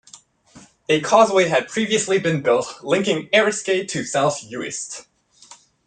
A causeway had previously been built linking Eriskay to South Uist.